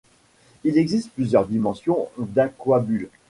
Il existe plusieurs dimensions d'aquabulles.